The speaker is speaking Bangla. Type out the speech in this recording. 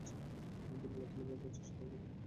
আমি দুর্বলতা অনুভব করছি, সকাল থেকেই।